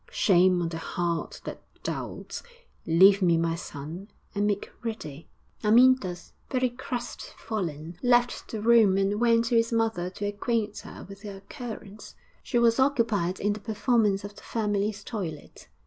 Shame on the heart that doubts! Leave me, my son, and make ready.' Amyntas, very crestfallen, left the room and went to his mother to acquaint her with the occurrence. She was occupied in the performance of the family's toilet.